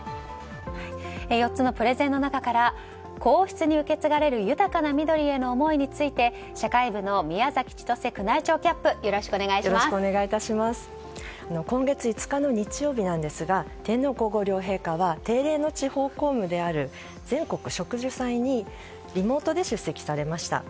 ４つのプレゼンの中から皇室に受け継がれる緑への思いについて社会部の宮崎千歳宮内庁キャップ今月５日の日曜日ですが天皇・皇后両陛下は定例の地方公務である全国植樹祭にリモートで出席されました。